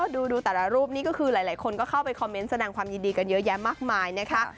ดูแต่ละรูปนี้ก็คือหลายคนก็เข้าไปคอมเมนต์แสดงความยินดีกันเยอะแยะมากมายนะคะ